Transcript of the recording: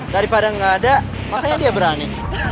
daripada nggak ada makanya dia berani